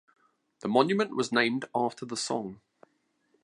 The monument was named after the song.